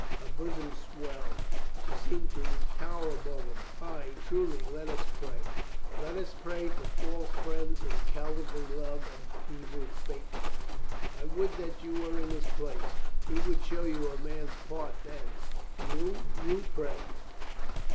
Her bosom swelled. She seemed to tower above him. "Ay, truly, let us pray — let us pray for false friends and cowardly love and feeble faith. I would that you were in his place. He would show you a man's part then. You — ^you pray